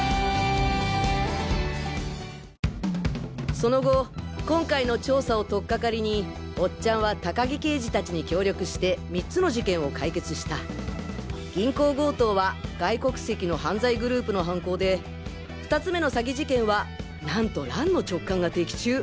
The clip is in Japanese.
その後今回の調査をとっかかりにおっちゃんは高木刑事達に協力して３つの事件を解決した銀行強盗は外国籍の犯罪グループの犯行で２つ目の詐欺事件はなんと蘭の直感が的中。